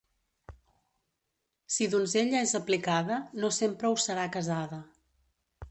Si donzella és aplicada, no sempre ho serà casada.